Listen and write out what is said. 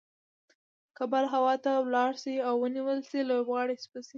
که بال هوا ته ولاړ سي او ونيول سي؛ لوبغاړی سوځي.